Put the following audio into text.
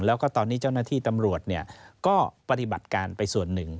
แล้วก็ตอนนี้เจ้าหน้าที่ตำรวจก็ปฏิบัติการไปส่วนหนึ่ง